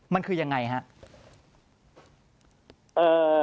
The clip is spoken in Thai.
มันคือยังไงครับ